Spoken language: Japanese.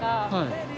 はい。